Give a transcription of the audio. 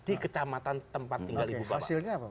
di kecamatan tempat tinggal ibu bapak